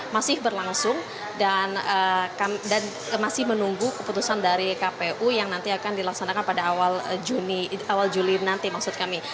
masih berlangsung dan masih menunggu keputusan dari kpu yang nanti akan dilaksanakan pada awal juli nanti maksud kami